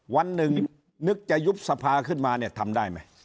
วันหนึ่งนึกจะยุบสภาขึ้นมาเนี่ยทำได้ไหม